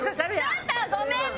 ちょっとごめんね！